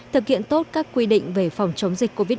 thực hiện tốt các quy định về phòng chống dịch covid một mươi chín